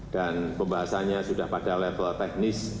dan pembahasannya sudah pada level teknis